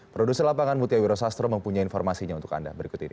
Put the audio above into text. produser lapangan mutia wiro sastro mempunyai informasinya untuk anda berikut ini